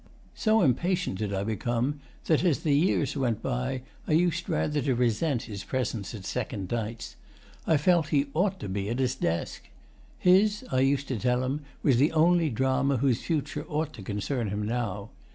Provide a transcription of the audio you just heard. So impatient did I become that, as the years went by, I used rather to resent his presence at second nights. I felt he ought to be at his desk. His, I used to tell him, was the only drama whose future ought to concern him now.